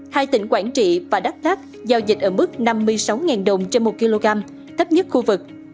hai tỉnh quảng trị và đắk lắc giao dịch ở mức năm mươi sáu đồng trên một kg thấp nhất khu vực